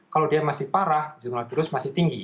kalau dia masih parah jumlah virus masih tinggi